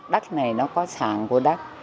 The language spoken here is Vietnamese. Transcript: đất này nó có sản của đất